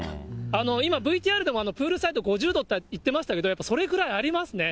今、ＶＴＲでも、プールサイド５０度って言ってましたけど、やっぱりそれぐらいありますね。